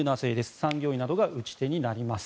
産業医などが打ち手になります。